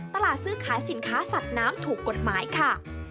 ซื้อขายสินค้าสัตว์น้ำถูกกฎหมายค่ะ